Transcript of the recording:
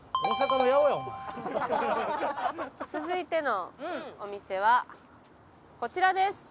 続いてのお店はこちらです。